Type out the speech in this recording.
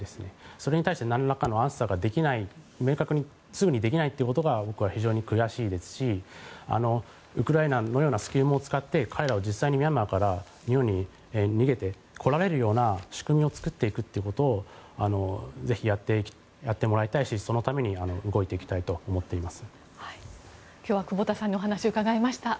それに対してなんらかのアンサーが明確にすぐできないことが僕は非常に悔しいですしウクライナのようなスキームを使って彼らを実際にミャンマーから日本に逃げてこられるような仕組みを作っていくということをぜひやってもらいたいしそのために動いていきたいと思っています。